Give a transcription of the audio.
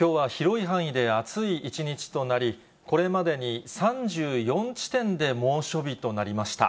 きょうは広い範囲で暑い一日となり、これまでに３４地点で猛暑日となりました。